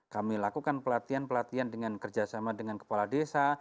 kami lakukan pelatihan pelatihan dengan kerjasama dengan kepala desa